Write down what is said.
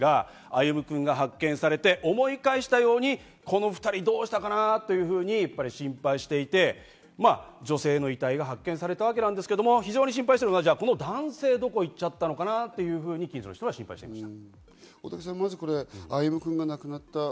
歩夢くんが発見されて思い返したように、この２人、どうしたかな？というふうに心配していて女性の遺体が発見されたわけですが、非常に心配してるのが男性どこ行っちゃったのかな？というふうに近所の人は心配しています。